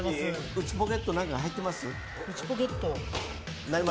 内ポケットに何か入ってます？